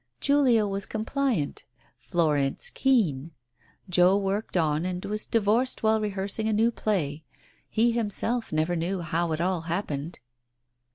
Julia was compliant: Florence "keen." Joe worked on and was divorced while rehearsing a new play. He himself never knew how it all happened